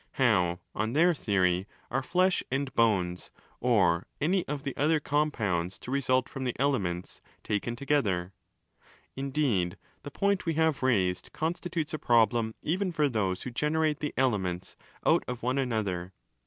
How, on their theory, are flesh and bones or any of the other compounds to result from the 'elements' ¢aken together? Indeed, the point we have raised constitutes a problem even for those who generate the 'elements' out of one another.